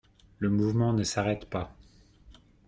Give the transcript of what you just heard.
Le mouvement ne s'arrête pas.